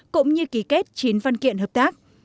cũng như ký kết chín văn kiện hợp tác